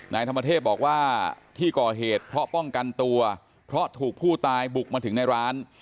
นายธรรมเทพบอกว่าที่ก่อเหตุเพราะป้องกันตัวเพราะถูกผู้ตายบุกมาถึงในร้าน